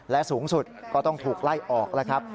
และสูงสุดก็ต้องถูกไล่ออกแล้วครับ